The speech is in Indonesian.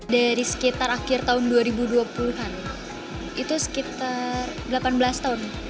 dari sekitar akhir tahun dua ribu dua puluh an itu sekitar delapan belas tahun